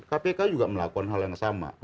kpk juga melakukan hal yang sama